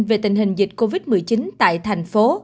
về tình hình dịch covid một mươi chín tại tp hcm